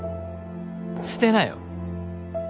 捨てなよ。